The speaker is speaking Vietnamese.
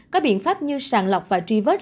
có biện pháp như sàn lọc và tri vết